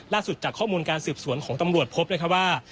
จากข้อมูลการสืบสวนของตำรวจพบนะครับว่า